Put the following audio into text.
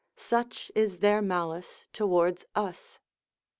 Such is their malice towards us.